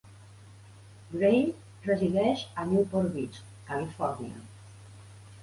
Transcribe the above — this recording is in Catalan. Gray resideix a Newport Beach, Califòrnia.